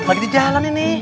lagi di jalan ini